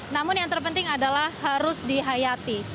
namun yang terpenting adalah harus dihayati